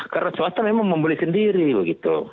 karena swasta memang membeli sendiri begitu